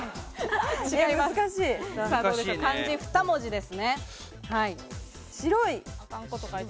漢字２文字ですね。